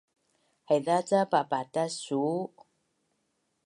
Haiza ca papatas su’u?